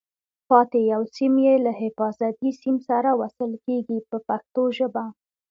پاتې یو سیم یې له حفاظتي سیم سره وصل کېږي په پښتو ژبه.